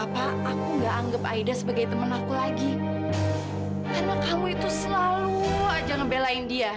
papa malah kita